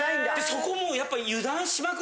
そこもうやっぱ。